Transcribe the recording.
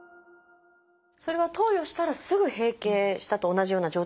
それは投与したらすぐ「閉経した」と同じような状態になるってことですか？